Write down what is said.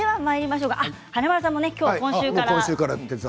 華丸さんも今週から。